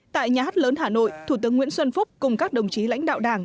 tại nhà hát lớn hà nội thủ tướng nguyễn xuân phúc cùng các đồng chí lãnh đạo đảng